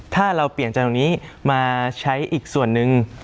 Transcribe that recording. ถ้าเราเปลี่ยนจากตรงนี้มาใช้อีกส่วนหนึ่ง